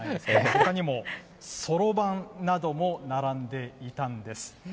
ほかにもそろばんなども並んでいたんです。